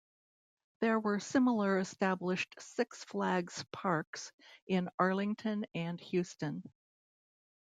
There were similar established Six Flags parks in Arlington and Houston.